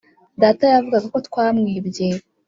Data yavugaga ko twamwibye